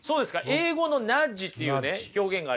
英語のナッジっていう表現がありましてね